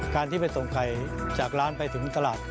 การที่ไปส่งไข่จากร้านไปถึงตลาด